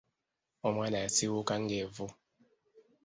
Omwana yasiiwuuka ng'evvu.